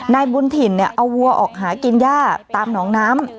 นายบุญถิ่นเอาวัวออกหากินย่าตามหนองน้ำ